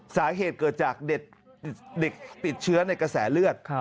สาเหตุเกิดจากเด็กติดเชื้อในกระแสเลือด